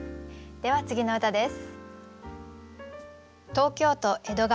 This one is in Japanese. では次の歌です。